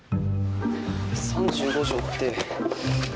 ３５条って。